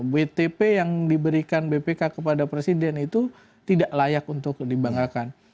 wtp yang diberikan bpk kepada presiden itu tidak layak untuk dibanggakan